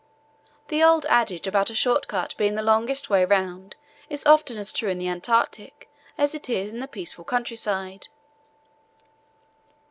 The old adage about a short cut being the longest way round is often as true in the Antarctic as it is in the peaceful countryside.